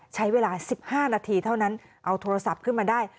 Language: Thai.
ใช้เวลา๑๕นาทีเท่านั้นเอาโทรศัพท์ขึ้นมาได้